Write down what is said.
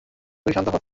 তুই শান্ত হ।